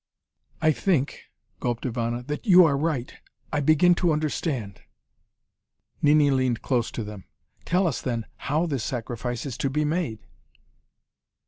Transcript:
"I think," gulped Ivana, "that you are right. I begin to understand." Nini leaned close to them. "Tell us, then, how this sacrifice is to be made."